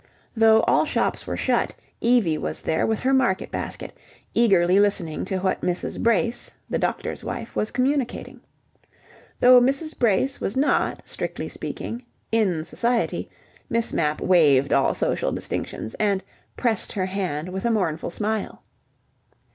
Though all shops were shut, Evie was there with her market basket, eagerly listening to what Mrs. Brace, the doctor's wife, was communicating. Though Mrs. Brace was not, strictly speaking, "in society", Miss Mapp waived all social distinctions, and pressed her hand with a mournful smile.